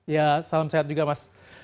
ya salam sehat juga mas